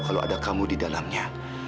kalau ada kamu di dalamnya